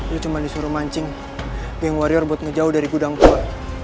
lo cuma disuruh mancing geng warior buat ngejauh dari gudang tua